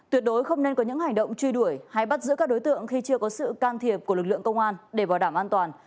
tuyệt đối không nên có những hành động truy đuổi hay bắt giữ các đối tượng khi chưa có sự can thiệp của lực lượng công an để bảo đảm an toàn